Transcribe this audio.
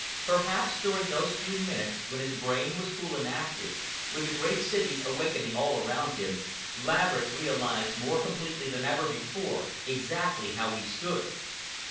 Perhaps during those few minutes, when his brain was cool and active, with the great city awakening all around him, Laverick realized more completely than ever before exactly how he stood.